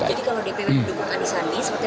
kalau dpw mendukung anies sandi